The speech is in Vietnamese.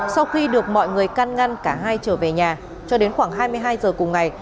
sau khi được mọi người căn ngăn cả hai trở về nhà cho đến khoảng hai mươi hai giờ cùng ngày